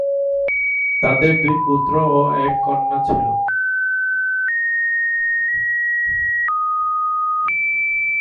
তাঁদের দুই পুত্র ও এক কন্যা ছিল।